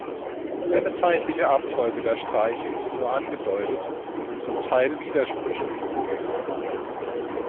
Eine zeitliche Abfolge der Streiche ist nur angedeutet und zum Teil widersprüchlich.